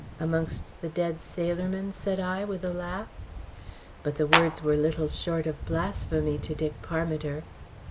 "Amongst the dead sailor men?" said I, with a laugh. But the words were little short of blasphemy to Dick Parmiter.